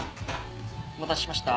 お待たせしました。